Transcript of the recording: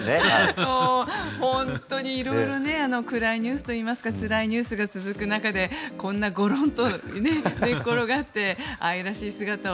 本当に色々暗いニュースといいますかつらいニュースが続く中でこんなごろんと寝転がって愛らしい姿を。